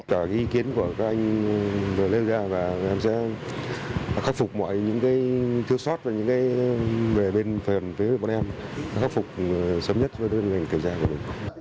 theo ý kiến của các anh vừa lên ra em sẽ khắc phục mọi những thiếu sót về bên phần phía bọn em khắc phục sớm nhất với đơn ngành kỳ dạng